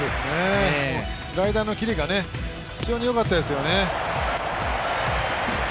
スライダーのキレが非常によかったですよね。